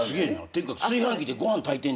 てか炊飯器でご飯炊いてんねや。